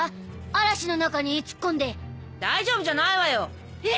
嵐の中に突っ込んで大丈夫じゃないわよえ